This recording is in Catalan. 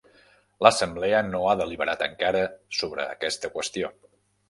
L'assemblea no ha deliberat encara sobre aquesta qüestió.